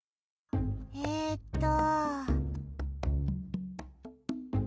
えっと。